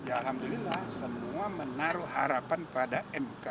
alhamdulillah semua menaruh harapan pada mk